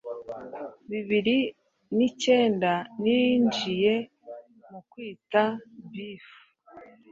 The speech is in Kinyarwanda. bibiri nicyenda ninjiye mu kitwa beef